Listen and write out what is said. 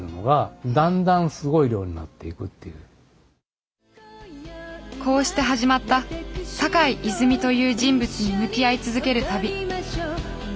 それがこうして始まった坂井泉水という人物に向き合い続ける旅。